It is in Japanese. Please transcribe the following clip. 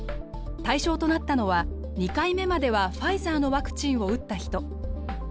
対象となったのは２回目まではファイザーのワクチンを打った人。